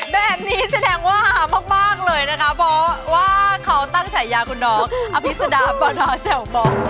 แบบนี้แสดงว่าหามมากมากเลยนะคะเพราะว่าเค้าตั้งโไฟทำน้อยคุนนอกหถบปันวาดิน